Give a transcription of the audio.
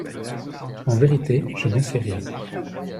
En vérité, je ne sais rien.